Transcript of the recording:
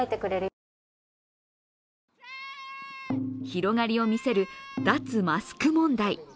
広がりを見せる脱マスク問題。